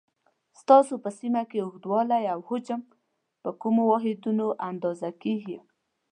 ستاسو په سیمه کې اوږدوالی او حجم په کومو واحدونو اندازه کېږي؟